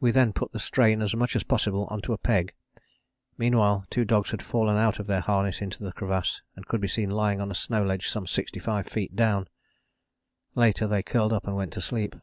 We then put the strain as much as possible on to a peg. Meanwhile two dogs had fallen out of their harness into the crevasse and could be seen lying on a snow ledge some 65 feet down. Later they curled up and went to sleep.